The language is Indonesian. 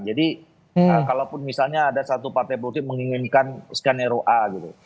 jadi kalaupun misalnya ada satu partai politik menginginkan skenario a gitu